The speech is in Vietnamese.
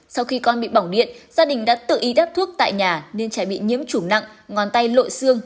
sau khi con bị bỏng điện gia đình đã tự y đắp thuốc tại nhà nên trẻ bị nhiễm chủng nặng ngón tay lội xương